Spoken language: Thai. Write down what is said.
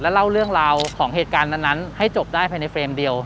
เล่าเรื่องราวของเหตุการณ์นั้นให้จบได้ภายในเฟรมเดียว